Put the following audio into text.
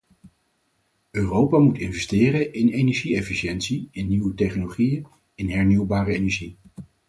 Europa moet investeren in energie-efficiëntie, in nieuwe technologieën, in hernieuwbare energie.